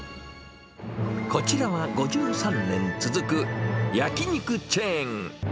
こちらは５３年続く焼き肉チェーン。